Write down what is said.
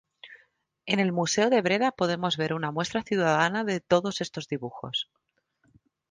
En el Museo de Breda podemos ver una muestra cuidada de todos estos dibujos.